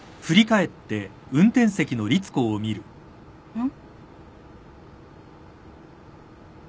うん？